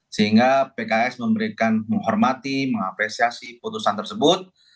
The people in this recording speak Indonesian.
sehingga pks memberikan menghormati mengapresiasi putusan tersebut